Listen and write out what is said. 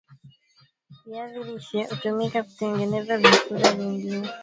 viazi lishe hutumika kutengeneza vyakula vingine kadha wa kadha